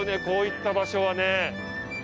こういった場所はね。